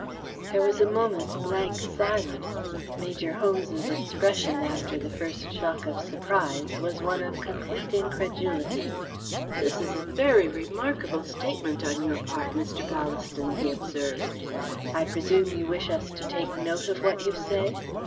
There was a moment's blank silence. Major Holmes's expression, after the first shock of surprise, was one of complete incredulity. "This is a very remarkable statement on your part, Mr. Ballaston," he observed. "I presume you wish us to take note of what you say.